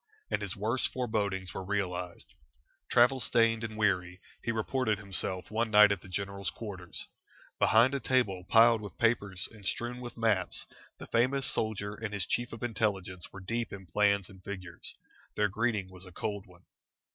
And his worst forebodings were realised. Travel stained and weary, he reported himself one night at the general's quarters. Behind a table piled with papers and strewn with maps the famous soldier and his Chief of Intelligence were deep in plans and figures. Their greeting was a cold one.